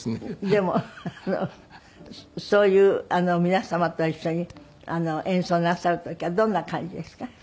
でもそういう皆様と一緒に演奏なさる時はどんな感じですか？